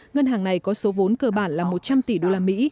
ngân hàng này có số vốn cơ bản là một trăm linh tỷ usd